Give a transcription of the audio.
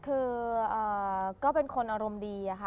คือก็เป็นคนอารมณ์ดีค่ะ